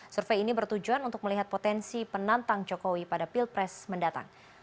survei ini bertujuan untuk melihat potensi penantang jokowi pada pilpres mendatang